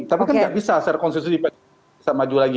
tapi kan tidak bisa secara konstitusi pak jokowi bisa maju lagi